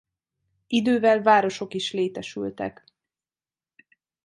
Idővel városok is létesültek.